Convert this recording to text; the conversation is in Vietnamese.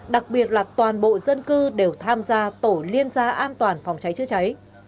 đặc biệt là toàn bộ dân cư đều tham gia tổ liên gia an toàn phòng cháy chữa cháy